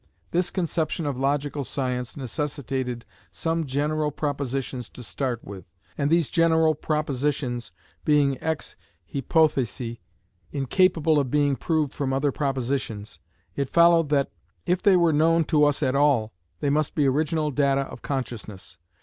This conception of logical science necessitated some general propositions to start with; and these general propositions being ex hypothesi incapable of being proved from other propositions, it followed, that, if they were known to us at all, they must be original data of consciousness.